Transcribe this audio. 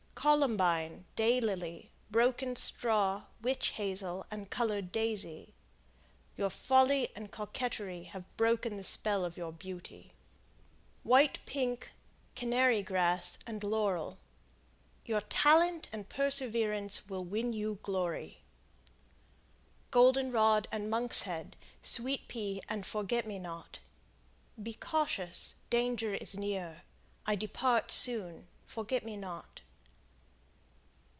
Columbine, Day Lily, Broken Straw, Witch Hazel and Colored Daisy "Your folly and coquetry have broken the spell of your beauty." White Pink, Canary Grass and Laurel "Your talent and perseverance will win you glory." Golden Rod and Monkshead, Sweet Pea and Forge me not "Be cautious; danger is near; I depart soon; forget me not."